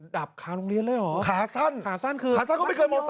ดับขาลงเรียนเลยเหรอขาสั้นขาสั้นก็ไม่เกินโมน๓นี่